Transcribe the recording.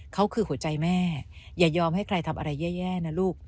เขาคือหัวใจแม่อย่ายอมให้ใครทำอะไรแย่นะลูก